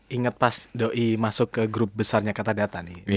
inget pas doi masuk ke grup besarnya katadata nih